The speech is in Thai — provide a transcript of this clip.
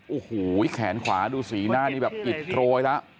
โอ้โหแขนขวาดูสีหน้านี่แบบอิดโรยแล้ว